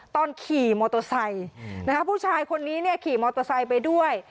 ตอนขี่มอเตอร์ไซค์ผู้ชายคนนี้เนี่ยขี่มอเตอร์ไซค์ไปด้วย